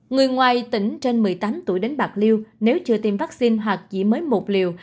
người ngoài tỉnh trên một mươi tám tuổi đến bạc liêu nếu chưa tiêm vaccine hoặc chỉ mới một liều